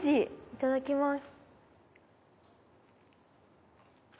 いただきます。